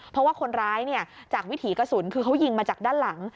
เพราะว่าคนร้ายจากวิถีกระสุนคือเขายิงมาจากด้านหลัง